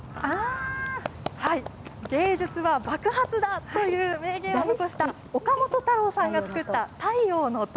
芸術は爆発だ！という名言を残した、岡本太郎さんが作った太陽の塔。